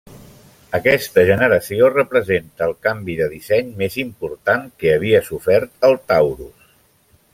Aquesta generació representa el canvi de disseny més important que havia sofert el Taurus.